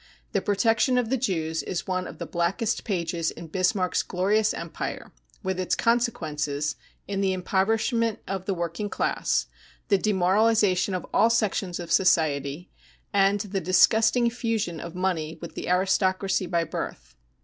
... The protection of the Jews is one of the blackest pages in Bismarck's glorious Empire, with its consequences in the impoverishment of tfee J THE PERSECUTION OF JEWS 23 1 working class, the demoralisation of all sections of society and the disgusting fusion of money with the aristocracy by birth.